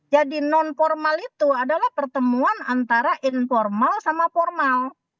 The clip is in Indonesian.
jadi non formal itu adalah pertemuan antara informal sama formal